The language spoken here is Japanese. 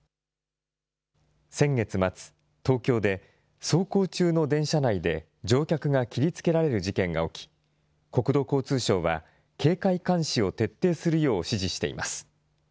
先月末、東京で走行中の電車内で乗客が切りつけられる事件が起き、国土交通省は警戒監視を徹底するよう指示しています。